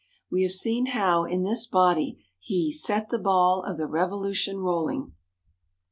We have seen how, in this body, he "set the ball of the Revolution rolling."